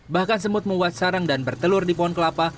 bahkan semut membuat sarang dan bertelur di pohon kelapa